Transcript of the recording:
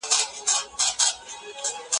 د خوشحالولو اسباب سره بيان کړئ.